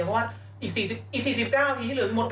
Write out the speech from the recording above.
น้องครับจริงเพราะว่าอีก๔๙ปีที่เหลือ